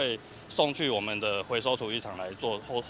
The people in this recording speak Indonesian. kita akan ke tempat pembuangan sampah